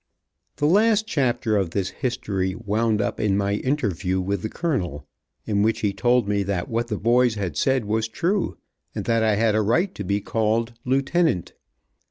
The last chapter of this history wound up in my interview with the colonel, in which he told me that what the boys had said was true, and that I had a right to to be called "Lieutenant."